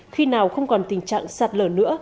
khi nào không còn tình trạng sạt lở nữa